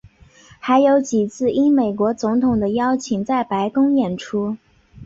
还有几次应美国总统的邀请在白宫演出。